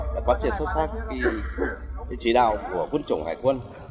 đã quá trình sâu sắc khi chỉ đạo của quân chủng hải quân